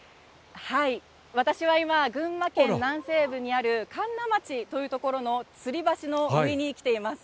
私は今、群馬県南西部にある神流町という所のつり橋の上に来ています。